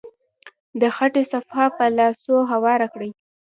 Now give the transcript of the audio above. د خټې صفحه په لاسو هواره کړئ.